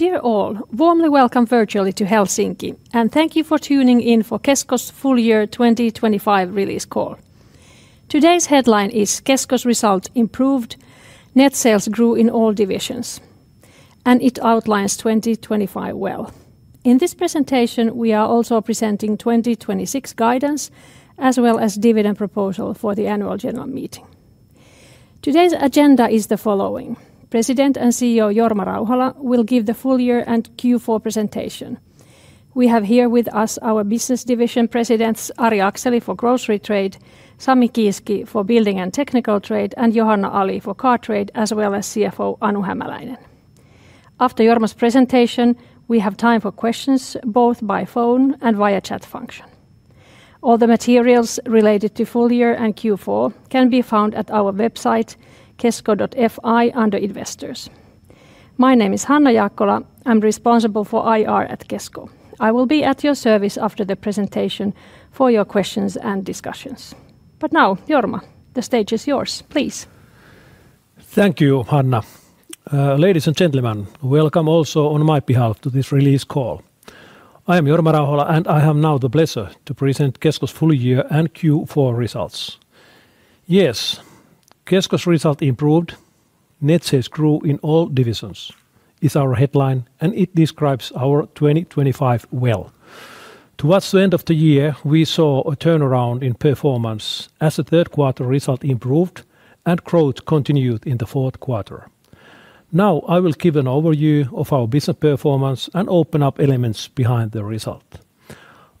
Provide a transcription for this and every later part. Dear all, warmly welcome virtually to Helsinki, and thank you for tuning in for Kesko's full year 2025 release call. Today's headline is Kesko's Result Improved, Net Sales Grew in All Divisions, and it outlines 2025 well. In this presentation, we are also presenting 2026 guidance, as well as dividend proposal for the Annual General Meeting. Today's agenda is the following: President and CEO Jorma Rauhala will give the full year and Q4 presentation. We have here with us our business division presidents, Ari Akseli for Grocery Trade, Sami Kiiski for Building and Technical Trade, and Johanna Ali for Car Trade, as well as CFO Anu Hämäläinen. After Jorma's presentation, we have time for questions, both by phone and via chat function. All the materials related to full year and Q4 can be found at our website, kesko.fi under Investors. My name is Hanna Jaakkola. I'm responsible for IR at Kesko. I will be at your service after the presentation for your questions and discussions. Now, Jorma, the stage is yours, please. Thank you, Hanna. Ladies and gentlemen, welcome also on my behalf to this release call. I am Jorma Rauhala, and I have now the pleasure to present Kesko's full year and Q4 results. Yes, Kesko's result improved, net sales grew in all divisions, is our headline, and it describes our 2025 well. Towards the end of the year, we saw a turnaround in performance as the third quarter result improved and growth continued in the fourth quarter. Now, I will give an overview of our business performance and open up elements behind the result.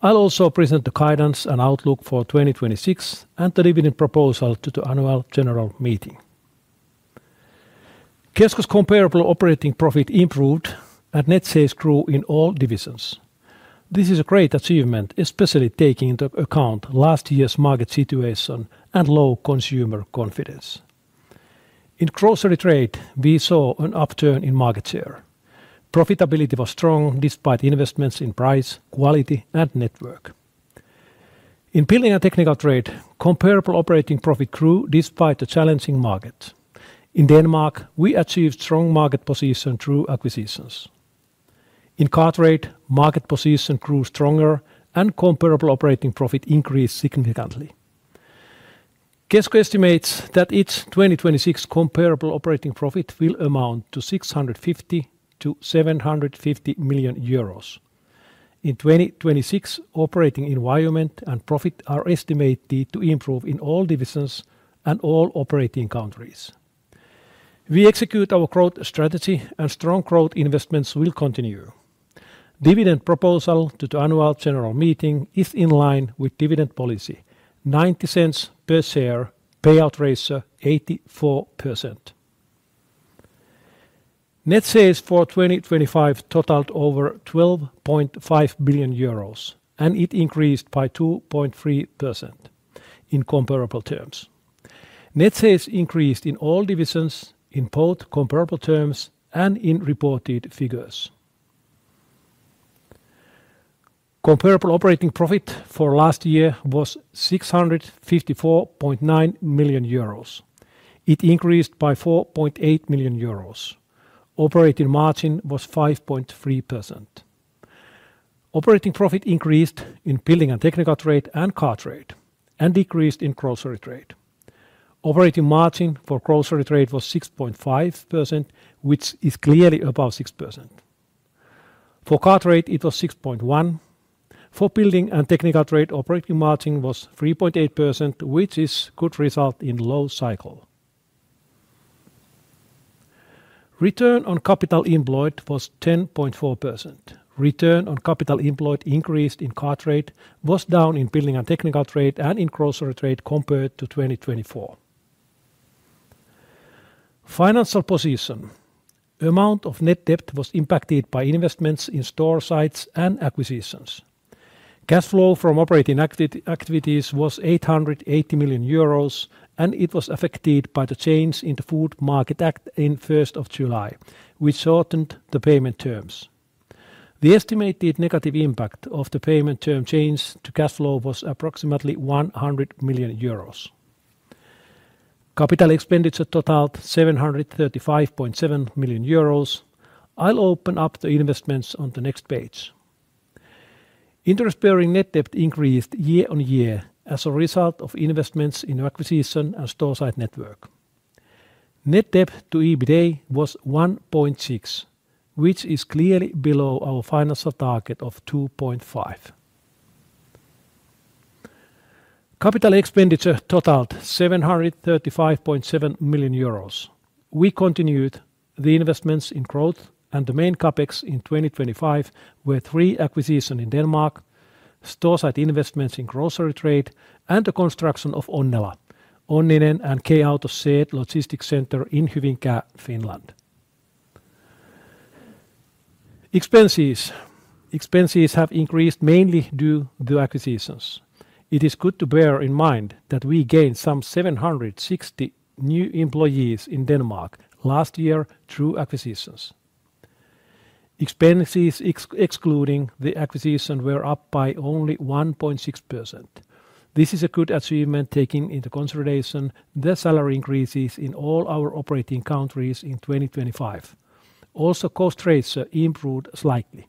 I'll also present the guidance and outlook for 2026 and the dividend proposal to the annual general meeting. Kesko's comparable operating profit improved, and net sales grew in all divisions. This is a great achievement, especially taking into account last year's market situation and low consumer confidence. In grocery trade, we saw an upturn in market share. Profitability was strong despite investments in price, quality, and network. In building and technical trade, comparable operating profit grew despite the challenging market. In Denmark, we achieved strong market position through acquisitions. In car trade, market position grew stronger and comparable operating profit increased significantly. Kesko estimates that its 2026 comparable operating profit will amount to 650 million-750 million euros. In 2026, operating environment and profit are estimated to improve in all divisions and all operating countries. We execute our growth strategy, and strong growth investments will continue. Dividend proposal to the annual general meeting is in line with dividend policy, 0.90 per share, payout ratio 84%. Net sales for 2025 totaled over 12.5 billion euros, and it increased by 2.3% in comparable terms. Net sales increased in all divisions in both comparable terms and in reported figures. Comparable operating profit for last year was 654.9 million euros. It increased by 4.8 million euros. Operating margin was 5.3%. Operating profit increased in building and technical trade and car trade, and decreased in grocery trade. Operating margin for grocery trade was 6.5%, which is clearly above 6%. For car trade, it was 6.1%. For building and technical trade, operating margin was 3.8%, which is good result in low cycle. Return on capital employed was 10.4%. Return on capital employed increased in car trade, was down in building and technical trade, and in grocery trade compared to 2024. Financial position. Amount of net debt was impacted by investments in store sites and acquisitions. Cash flow from operating activities was 880 million euros, and it was affected by the change in the Food Market Act in first of July, which shortened the payment terms. The estimated negative impact of the payment term change to cash flow was approximately 100 million euros. Capital expenditure totaled 735.7 million euros. I'll open up the investments on the next page. Interest-bearing net debt increased year on year as a result of investments in acquisition and store site network. Net debt to EBITDA was 1.6, which is clearly below our financial target of 2.5. Capital expenditure totaled 735.7 million euros. We continued the investments in growth, and the main CapEx in 2025 were three acquisition in Denmark, store site investments in grocery trade, and the construction of Onnela, Onninen, and K-Auto shared logistic center in Hyvinkää, Finland. Expenses. Expenses have increased mainly due to acquisitions. It is good to bear in mind that we gained some 760 new employees in Denmark last year through acquisitions. Expenses, excluding the acquisition, were up by only 1.6%. This is a good achievement, taking into consideration the salary increases in all our operating countries in 2025. Also, cost rates improved slightly.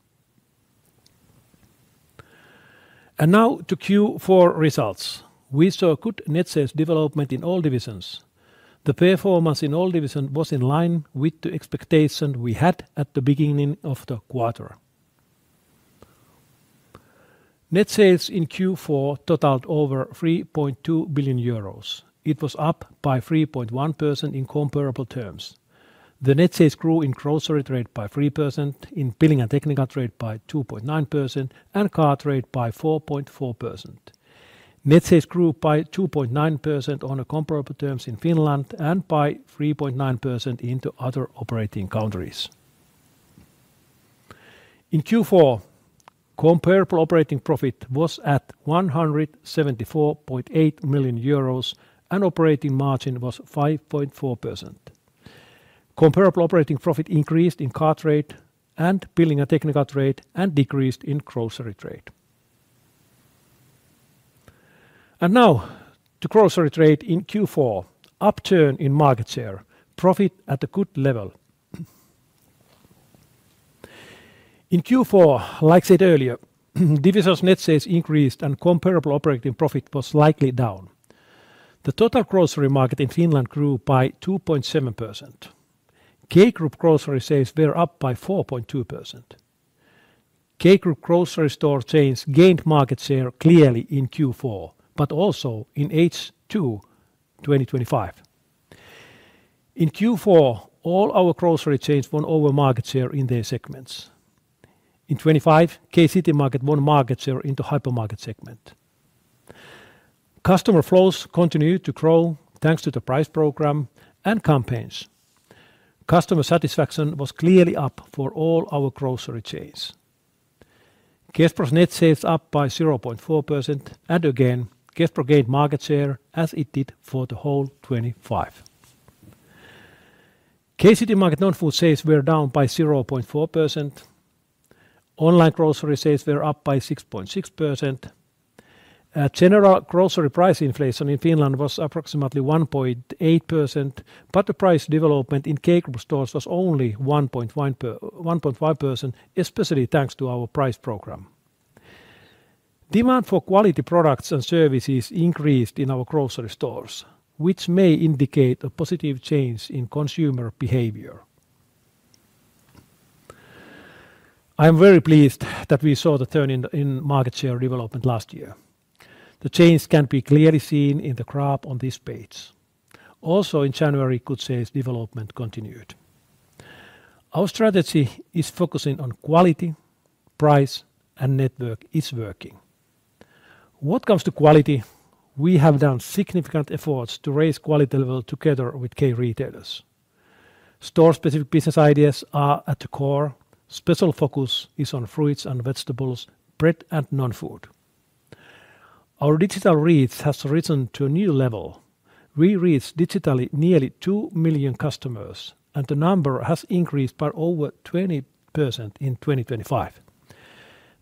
And now to Q4 results. We saw good net sales development in all divisions. The performance in all division was in line with the expectation we had at the beginning of the quarter. Net sales in Q4 totaled over 3.2 billion euros. It was up by 3.1% in comparable terms. The net sales grew in grocery trade by 3%, in building and technical trade by 2.9%, and car trade by 4.4%. Net sales grew by 2.9% on a comparable terms in Finland and by 3.9% into other operating countries. In Q4, comparable operating profit was at 174.8 million euros, and operating margin was 5.4%. Comparable operating profit increased in car trade and building and technical trade, and decreased in grocery trade. And now, to grocery trade in Q4, upturn in market share, profit at a good level. In Q4, like said earlier, divisions net sales increased and comparable operating profit was slightly down. The total grocery market in Finland grew by 2.7%. K-Group grocery sales were up by 4.2%. K-Group grocery store chains gained market share clearly in Q4, but also in H2 2025. In Q4, all our grocery chains won over market share in their segments. In 2025, K-Citymarket won market share into hypermarket segment. Customer flows continued to grow, thanks to the price program and campaigns. Customer satisfaction was clearly up for all our grocery chains. Kespro's net sales up by 0.4%, and again, Kespro gained market share as it did for the whole 2025. K-Citymarket non-food sales were down by 0.4%. Online grocery sales were up by 6.6%. General grocery price inflation in Finland was approximately 1.8%, but the price development in K-Group stores was only 1.1-1.5%, especially thanks to our price program. Demand for quality products and services increased in our grocery stores, which may indicate a positive change in consumer behavior. I am very pleased that we saw the turn in market share development last year. The change can be clearly seen in the graph on this page. Also, in January, good sales development continued. Our strategy is focusing on quality, price, and network is working. What comes to quality, we have done significant efforts to raise quality level together with K retailers. Store-specific business ideas are at the core. Special focus is on fruits and vegetables, bread, and non-food. Our digital reach has risen to a new level. We reach digitally nearly 2 million customers, and the number has increased by over 20% in 2025.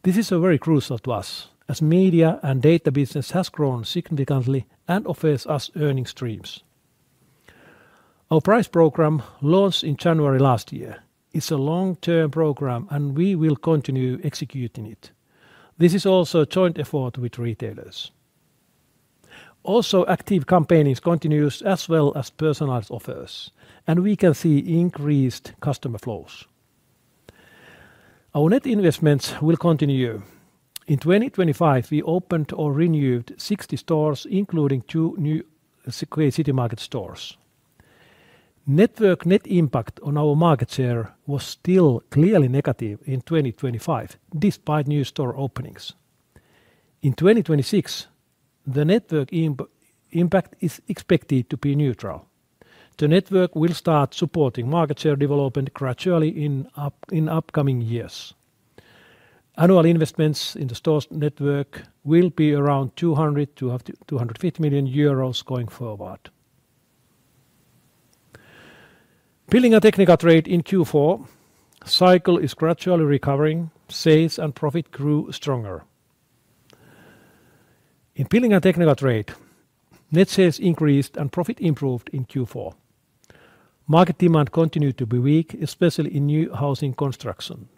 This is very crucial to us, as media and data business has grown significantly and offers us earning streams. Our price program launched in January last year. It's a long-term program, and we will continue executing it. This is also a joint effort with retailers. Also, active campaigns continues as well as personalized offers, and we can see increased customer flows. Our net investments will continue. In 2025, we opened or renewed 60 stores, including 2 new K-Citymarket stores. Network net impact on our market share was still clearly negative in 2025, despite new store openings. In 2026, the network impact is expected to be neutral. The network will start supporting market share development gradually in upcoming years. Annual investments in the stores network will be around 200 million-250 million euros going forward. Building and Technical Trade in Q4, cycle is gradually recovering, sales and profit grew stronger. In building and technical trade, net sales increased and profit improved in Q4. Market demand continued to be weak, especially in new housing construction.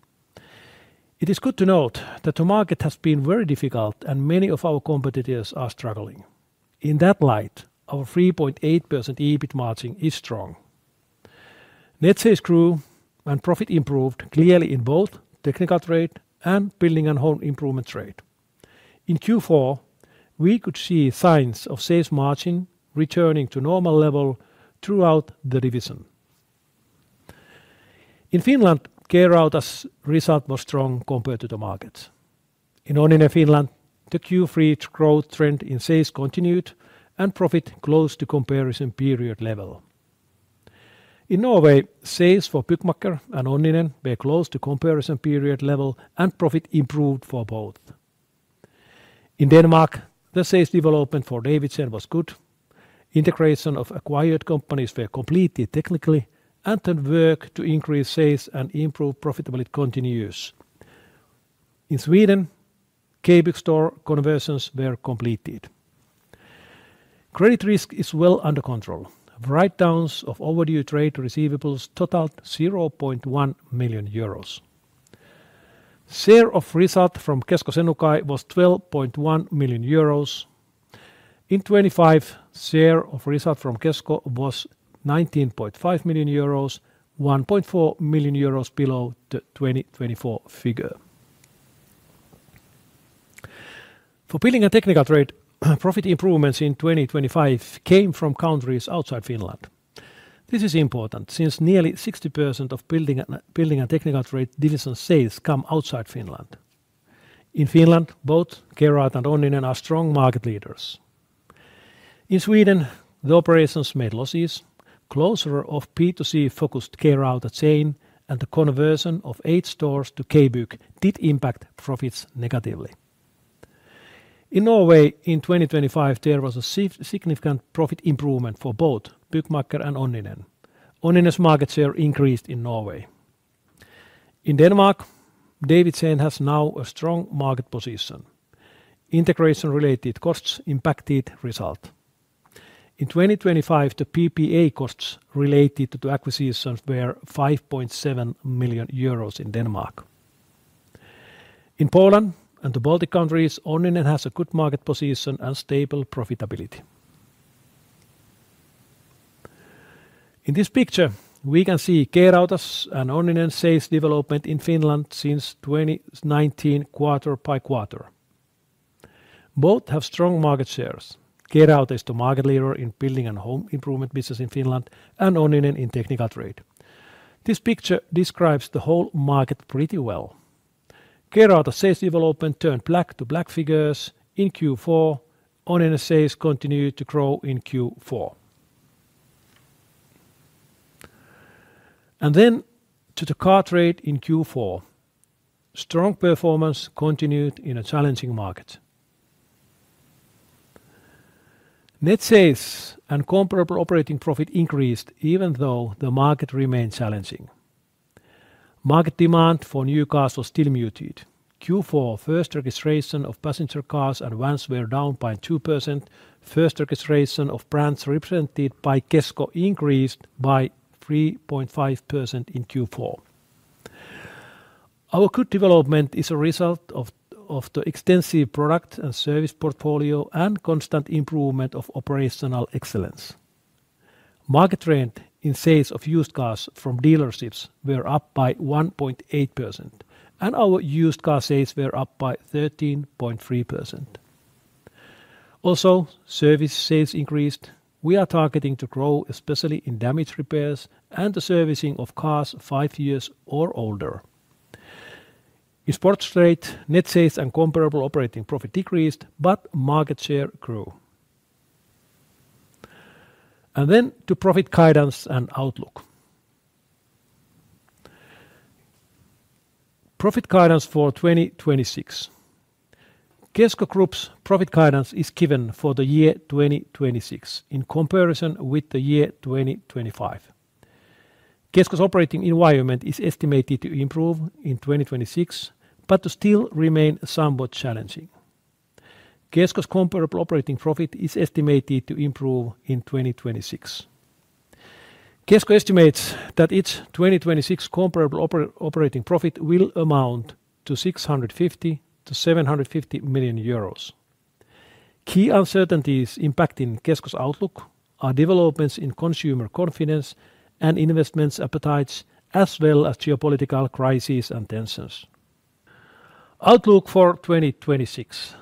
It is good to note that the market has been very difficult and many of our competitors are struggling. In that light, our 3.8% EBIT margin is strong. Net sales grew and profit improved clearly in both technical trade and building and home improvement trade. In Q4, we could see signs of sales margin returning to normal level throughout the division. In Finland, K-Rauta's result was strong compared to the markets. In Onninen Finland, the Q3 growth trend in sales continued, and profit close to comparison period level. In Norway, sales for Byggmakker and Onninen were close to comparison period level, and profit improved for both. In Denmark, the sales development for Davidsen was good. Integration of acquired companies were completed technically, and the work to increase sales and improve profitability continues. In Sweden, K-Bygg store conversions were completed. Credit risk is well under control. Write-downs of overdue trade receivables totaled 0.1 million euros. Share of result from Kesko Senukai was 12.1 million euros. In 2025, share of result from Kesko was 19.5 million euros, 1.4 million euros below the 2024 figure. For building and technical trade, profit improvements in 2025 came from countries outside Finland. This is important since nearly 60% of building and technical trade division sales come outside Finland. In Finland, both K-Rauta and Onninen are strong market leaders. In Sweden, the operations made losses. Closure of B2C-focused K-Rauta chain and the conversion of eight stores to K-Bygg did impact profits negatively. In Norway, in 2025, there was a significant profit improvement for both Byggmakker and Onninen. Onninen's market share increased in Norway. In Denmark, Davidsen has now a strong market position. Integration-related costs impacted result. In 2025, the PPA costs related to acquisitions were 5.7 million euros in Denmark. In Poland and the Baltic countries, Onninen has a good market position and stable profitability. In this picture, we can see K-Rauta's and Onninen's sales development in Finland since 2019, quarter by quarter. Both have strong market shares. K-Rauta is the market leader in building and home improvement business in Finland and Onninen in technical trade. This picture describes the whole market pretty well. K-Rauta sales development turned back to black figures in Q4. Onninen sales continued to grow in Q4. And then to the car trade in Q4, strong performance continued in a challenging market. Net sales and comparable operating profit increased even though the market remained challenging. Market demand for new cars was still muted. Q4 first registration of passenger cars and vans were down by 2%. First registration of brands represented by Kesko increased by 3.5% in Q4. Our good development is a result of the extensive product and service portfolio and constant improvement of operational excellence. Market trend in sales of used cars from dealerships were up by 1.8%, and our used car sales were up by 13.3%. Also, service sales increased. We are targeting to grow, especially in damage repairs and the servicing of cars five years or older. In sports trade, net sales and comparable operating profit decreased, but market share grew. Then to profit guidance and outlook. Profit guidance for 2026. Kesko Group's profit guidance is given for the year 2026 in comparison with the year 2025. Kesko's operating environment is estimated to improve in 2026, but to still remain somewhat challenging. Kesko's comparable operating profit is estimated to improve in 2026. Kesko estimates that its 2026 comparable operating profit will amount to 650 million-750 million euros. Key uncertainties impacting Kesko's outlook are developments in consumer confidence and investments appetites, as well as geopolitical crises and tensions. Outlook for 2026.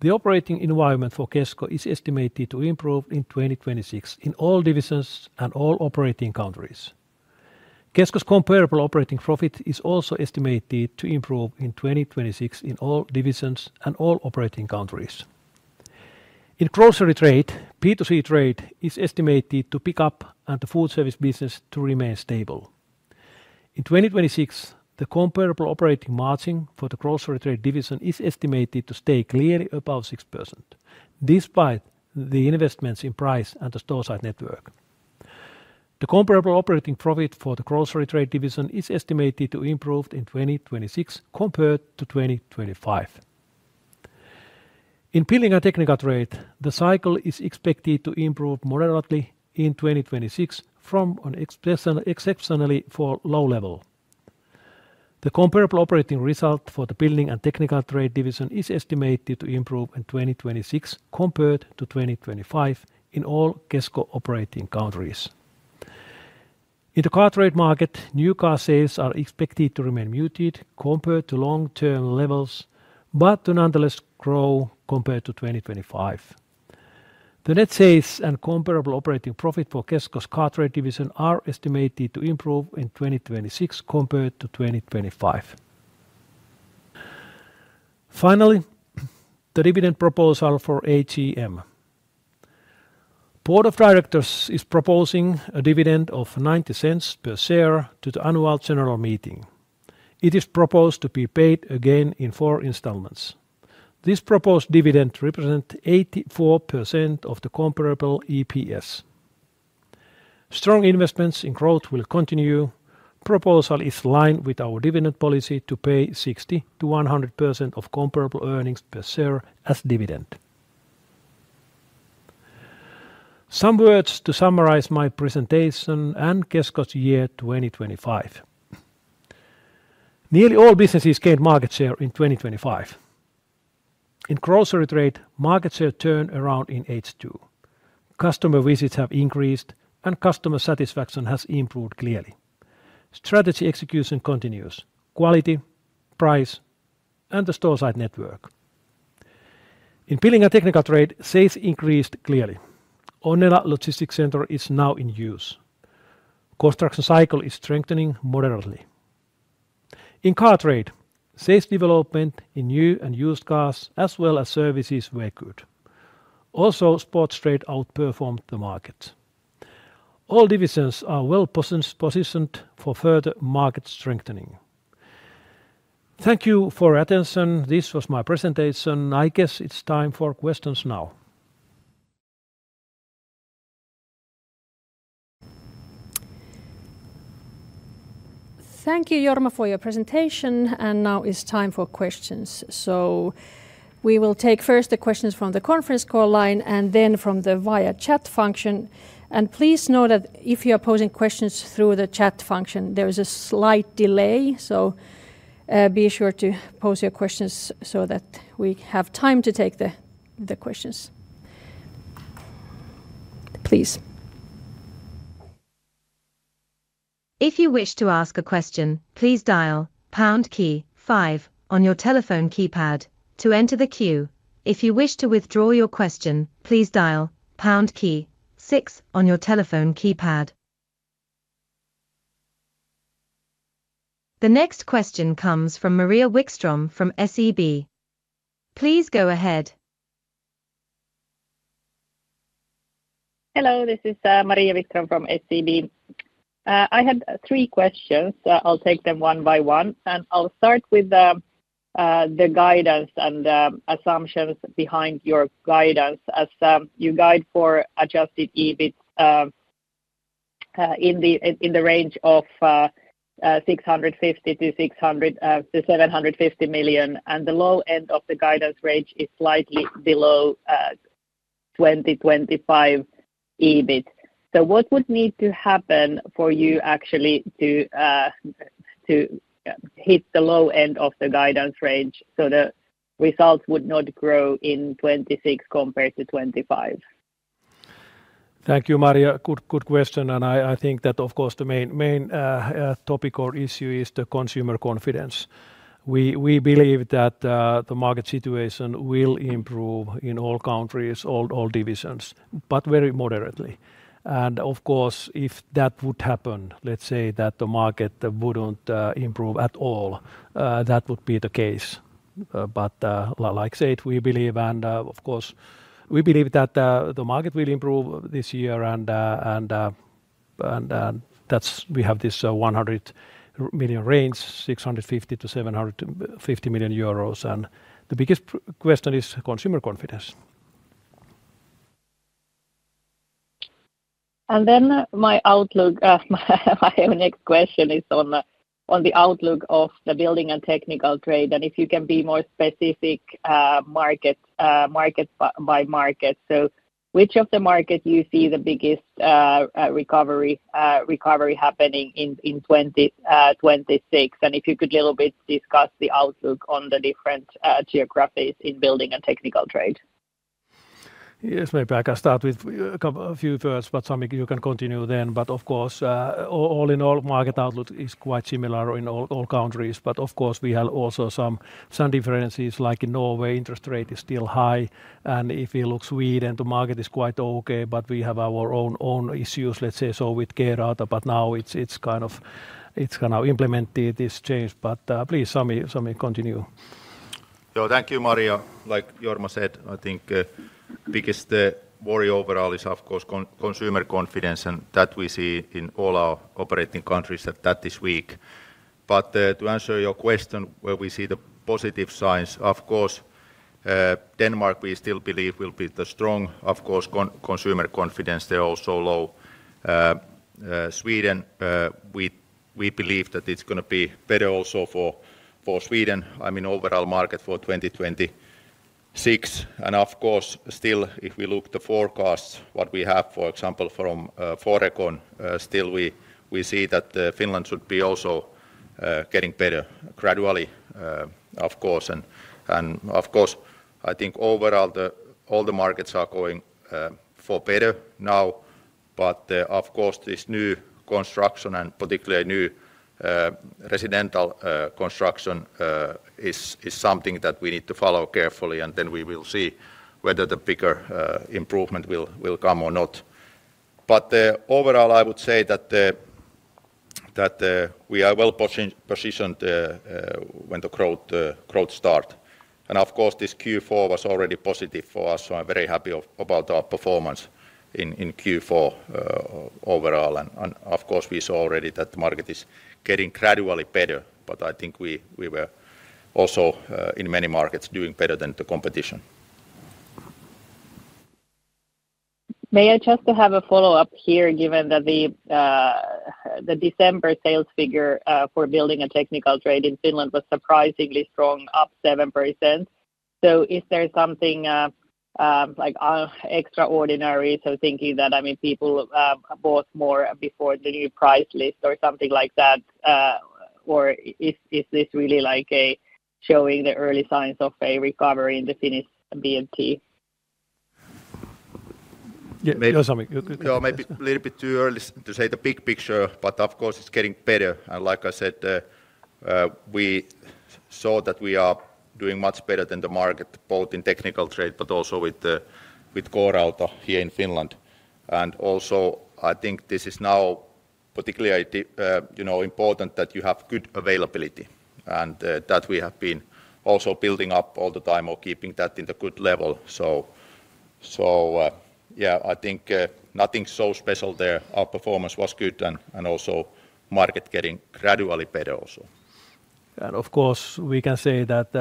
The operating environment for Kesko is estimated to improve in 2026 in all divisions and all operating countries. Kesko's comparable operating profit is also estimated to improve in 2026 in all divisions and all operating countries. In grocery trade, B2C trade is estimated to pick up and the food service business to remain stable. In 2026, the comparable operating margin for the grocery trade division is estimated to stay clearly above 6%, despite the investments in price and the store site network. The comparable operating profit for the grocery trade division is estimated to improve in 2026 compared to 2025. In building and technical trade, the cycle is expected to improve moderately in 2026 from an exceptionally low level. The comparable operating result for the building and technical trade division is estimated to improve in 2026 compared to 2025 in all Kesko operating countries. In the car trade market, new car sales are expected to remain muted compared to long-term levels, but to nonetheless grow compared to 2025. The net sales and comparable operating profit for Kesko's car trade division are estimated to improve in 2026 compared to 2025. Finally, the dividend proposal for AGM. Board of Directors is proposing a dividend of 0.90 per share to the Annual General Meeting. It is proposed to be paid again in 4 installments. This proposed dividend represent 84% of the comparable EPS. Strong investments in growth will continue. Proposal is in line with our dividend policy to pay 60%-100% of comparable earnings per share as dividend. Some words to summarize my presentation and Kesko's year 2025. Nearly all businesses gained market share in 2025. In grocery trade, market share turned around in H2. Customer visits have increased, and customer satisfaction has improved clearly. Strategy execution continues: quality, price, and the store site network. In building and technical trade, sales increased clearly. Onnela Logistics Center is now in use. Construction cycle is strengthening moderately. In Car Trade, sales development in new and used cars as well as services were good. Also, sports trade outperformed the market. All divisions are well positioned for further market strengthening. Thank you for your attention. This was my presentation. I guess it's time for questions now. Thank you, Jorma, for your presentation, and now it's time for questions. So we will take first the questions from the conference call line, and then from the via chat function. And please note that if you're posing questions through the chat function, there is a slight delay, so be sure to pose your questions so that we have time to take the questions. Please. If you wish to ask a question, please dial pound key five on your telephone keypad to enter the queue. If you wish to withdraw your question, please dial pound key six on your telephone keypad. The next question comes from Maria Wikström from SEB. Please go ahead. Hello, this is Maria Wikström from SEB. I have three questions. I'll take them one by one, and I'll start with the guidance and assumptions behind your guidance as you guide for adjusted EBIT in the range of 650 million-750 million, and the low end of the guidance range is slightly below 2025 EBIT. So what would need to happen for you actually to hit the low end of the guidance range so the results would not grow in 2026 compared to 2025? Thank you, Maria. Good, good question, and I think that of course, the main, main topic or issue is the consumer confidence. We believe that the market situation will improve in all countries, all divisions, but very moderately. And of course, if that would happen, let's say that the market wouldn't improve at all, that would be the case. But like, say, we believe and of course, we believe that the market will improve this year and that's we have this 100 million range, 650 million-750 million euros, and the biggest question is consumer confidence. Then my outlook, my next question is on the outlook of the building and technical trade, and if you can be more specific, market by market. So which of the market you see the biggest recovery happening in, in 2026? And if you could a little bit discuss the outlook on the different geographies in building and technical trade. Yes, maybe I can start with a few first, but Sami, you can continue then. But of course, all in all, market outlook is quite similar in all countries. But of course, we have also some differences, like in Norway, interest rate is still high, and if you look Sweden, the market is quite okay, but we have our own issues, let's say, so with K-Rauta, but now it's kind of, it's gonna implement this change. But please, Sami, continue. So thank you, Maria. Like Jorma said, I think, biggest worry overall is, of course, consumer confidence, and that we see in all our operating countries that that is weak. But, to answer your question, where we see the positive signs, of course, Denmark, we still believe will be the strong. Of course, consumer confidence, they're also low. Sweden, we believe that it's gonna be better also for Sweden, I mean, overall market for 2026. And of course, still, if we look the forecasts, what we have, for example, from Forecon, still we see that Finland should be also getting better gradually, of course. And of course, I think overall, all the markets are going for better now. But, of course, this new construction and particularly new residential construction is something that we need to follow carefully, and then we will see whether the bigger improvement will come or not. But overall, I would say that we are well positioned when the growth start. And of course, this Q4 was already positive for us, so I'm very happy about our performance in Q4 overall, and of course, we saw already that the market is getting gradually better, but I think we were also in many markets, doing better than the competition. May I just have a follow-up here, given that the December sales figure for building and technical trade in Finland was surprisingly strong, up 7%. So is there something like extraordinary? So thinking that, I mean, people bought more before the new price list or something like that, or is this really like a showing the early signs of a recovery in the Finnish B&TT? Yeah, Josami, you- Yeah, maybe a little bit too early to say the big picture, but of course, it's getting better. And like I said, we saw that we are doing much better than the market, both in technical trade but also with the, with K-Rauta here in Finland. And also, I think this is now particularly, you know, important that you have good availability, and, that we have been also building up all the time or keeping that in the good level. So, yeah, I think, nothing so special there. Our performance was good, and, and also market getting gradually better also. Of course, we can say that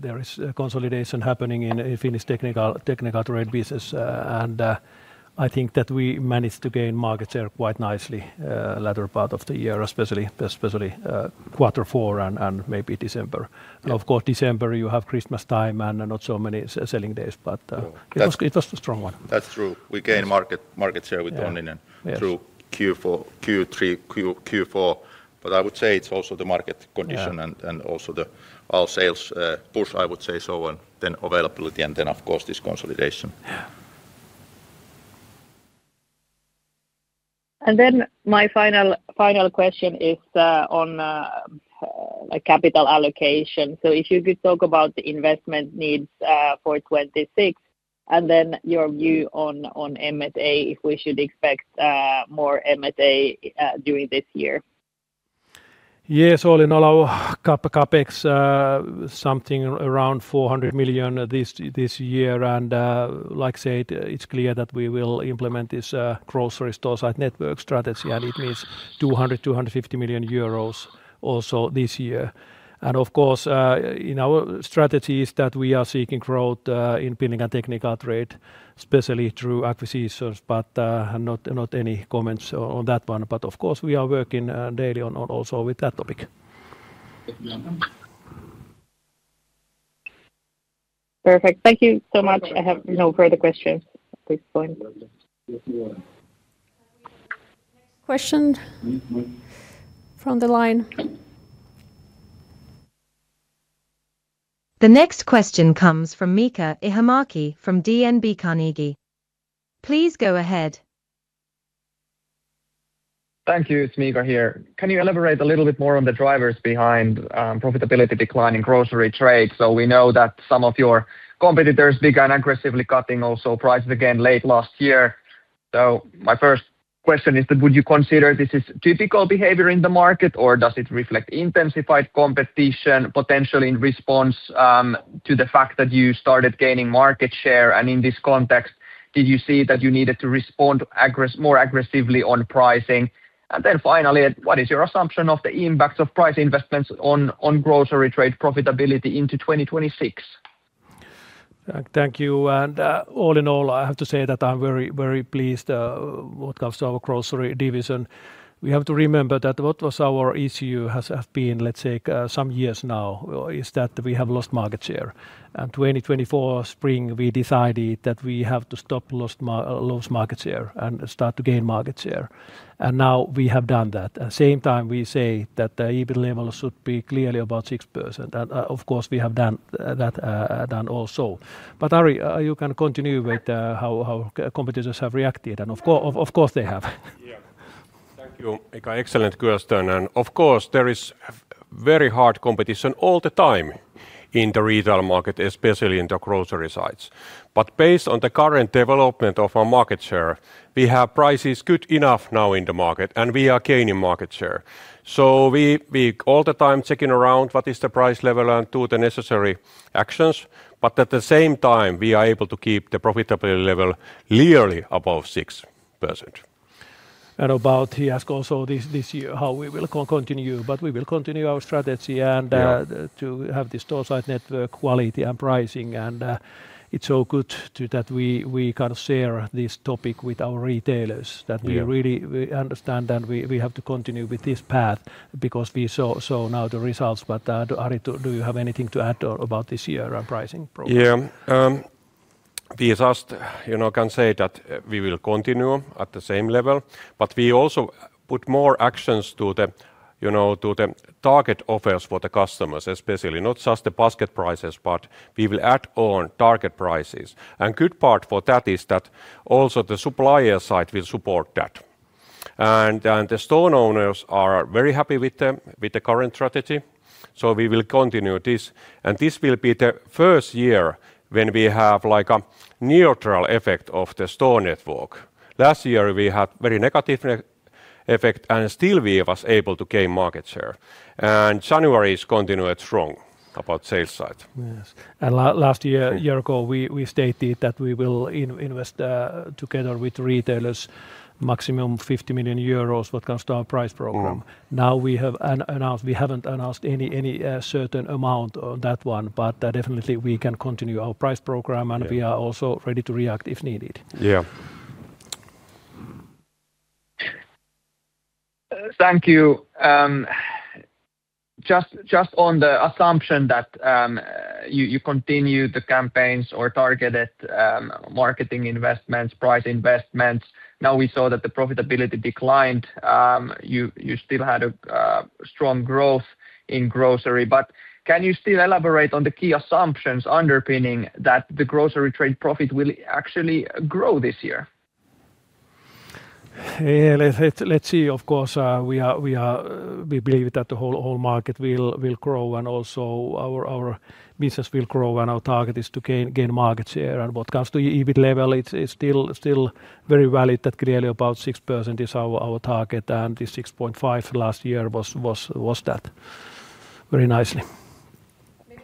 there is a consolidation happening in Finnish technical trade business. I think that we managed to gain market share quite nicely latter part of the year, especially quarter four and maybe December. Yeah. Of course, December you have Christmas time and not so many selling days, but, That's- It was, it was a strong one. That's true. Yes. We gained market share- Yeah -with Onninen and- Yes through Q4. But I would say it's also the market condition- Yeah -and also our sales push, I would say so, and then availability, and then, of course, this consolidation. Yeah. My final, final question is on capital allocation. So if you could talk about the investment needs for 2026, and then your view on M&A, if we should expect more M&A during this year. Yes, all in all, our CapEx, something around 400 million this year. Like I said, it's clear that we will implement this grocery store site network strategy, and it means 200-250 million euros also this year. Of course, in our strategy is that we are seeking growth in building and technical trade, especially through acquisitions, but not any comments on that one. But of course, we are working daily on also with that topic. Yeah. Perfect. Thank you so much. I have no further questions at this point. Thank you. Next question from the line. The next question comes from Miika Ihamäki from DNB Carnegie. Please go ahead. Thank you. It's Miika here. Can you elaborate a little bit more on the drivers behind profitability decline in grocery trade? So we know that some of your competitors began aggressively cutting also prices again late last year. So my first question is that, would you consider this is typical behavior in the market, or does it reflect intensified competition, potentially in response to the fact that you started gaining market share? And in this context, did you see that you needed to respond more aggressively on pricing? And then finally, what is your assumption of the impacts of price investments on grocery trade profitability into 2026? Thank you. And, all in all, I have to say that I'm very, very pleased, what comes to our grocery division. We have to remember that what was our issue has been, let's say, some years now, is that we have lost market share. And 2024 spring, we decided that we have to stop losing market share and start to gain market share, and now we have done that. At the same time, we say that the EBIT level should be clearly about 6%. And, of course, we have done that also. But Ari, you can continue with how competitors have reacted, and of course they have. Yeah. Thank you, Miika. Excellent question. And of course, there is very hard competition all the time in the retail market, especially in the grocery sites. But based on the current development of our market share, we have prices good enough now in the market, and we are gaining market share. So we all the time checking around what is the price level and do the necessary actions, but at the same time, we are able to keep the profitability level clearly above 6%. About, he asked also this: this year, how we will continue, but we will continue our strategy- Yeah -and to have the store site network quality and pricing. And it's so good too that we can share this topic with our retailers. Yeah -that we really, we understand, and we, we have to continue with this path because we saw, saw now the results. But, Ari, do, do you have anything to add, about this year and pricing progress? Yeah. We just, you know, can say that we will continue at the same level, but we also put more actions to the, you know, to the target offers for the customers, especially. Not just the basket prices, but we will add on target prices. And good part for that is that also the supplier side will support that. And the store owners are very happy with the, with the current strategy, so we will continue this. And this will be the first year when we have, like, a neutral effect of the store network. Last year we had very negative effect, and still we was able to gain market share, and January's continued strong about sales side. Yes. And last year, a year ago, we stated that we will invest together with retailers, maximum 50 million euros what comes to our price program. Mm. Now, we have announced. We haven't announced any certain amount on that one, but definitely we can continue our price program. Yeah And we are also ready to react if needed. Yeah. Thank you. Just on the assumption that you continued the campaigns or targeted marketing investments, price investments, now we saw that the profitability declined. You still had a strong growth in grocery, but can you still elaborate on the key assumptions underpinning that the grocery trade profit will actually grow this year? Yeah, let's see. Of course, we believe that the whole market will grow, and also our business will grow, and our target is to gain market share. And what comes to EBIT level, it's still very valid that clearly about 6% is our target, and the 6.5 last year was that very nicely. Maybe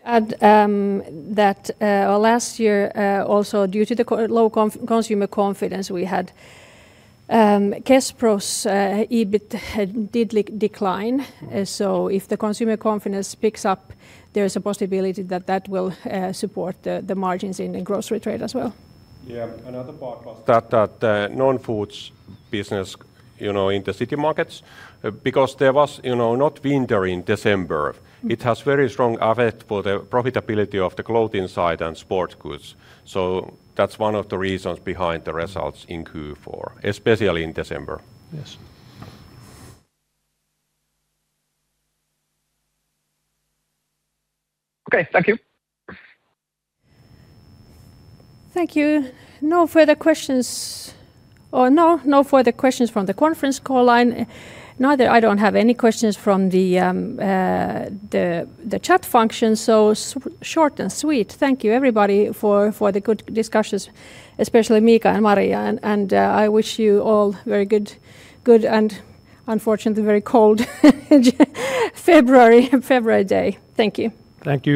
to add that last year, also due to the low consumer confidence, we had Kespro's EBIT decline. So if the consumer confidence picks up, there is a possibility that that will support the margins in the grocery trade as well. Yeah, another part was that non-foods business, you know, in the K-Citymarket, because there was, you know, no winter in December. It has very strong effect for the profitability of the clothing side and sports goods, so that's one of the reasons behind the results in Q4, especially in December. Yes. Okay. Thank you. Thank you. No further questions. Or no, no further questions from the conference call line. Neither I don't have any questions from the chat function, so short and sweet. Thank you, everybody, for the good discussions, especially Miika and Maria, and I wish you all very good, and unfortunately, very cold February day. Thank you. Thank you.